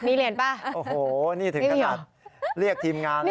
มีเหรียญป่ะโอ้โหนี่ถึงขนาดเรียกทีมงานเลย